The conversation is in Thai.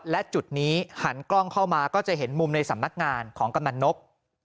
และจุดนี้หันกล้องเข้ามาก็จะเห็นมุมในสำนักงานของกำนันนก